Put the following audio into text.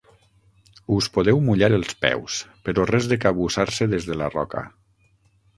Us podeu mullar els peus, però res de cabussar-se des de la roca.